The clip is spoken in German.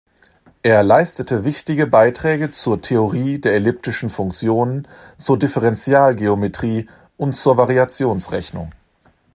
Er leistete wichtige Beiträge zur Theorie der elliptischen Funktionen, zur Differentialgeometrie und zur Variationsrechnung.